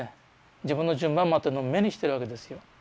自分の順番待ってるのを目にしてるわけですよ。